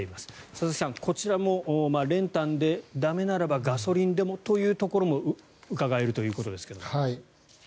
佐々木さん、こちらも練炭で駄目ならばガソリンでもというところもうかがえるというところですが。